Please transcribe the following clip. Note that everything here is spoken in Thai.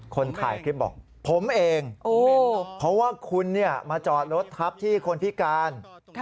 คนถ่ายคลิปบอกผมเองเพราะว่าคุณมาจอดรถทับที่คนพิการ